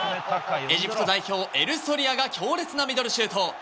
エジプト代表、エルソリアが強烈なミドルシュート。